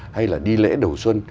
hay là đi lễ đầu xuân